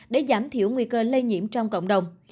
để giảm thiểu nguy cơ lây nhiễm trong cộng đồng